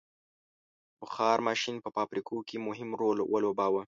• بخار ماشین په فابریکو کې مهم رول ولوباوه.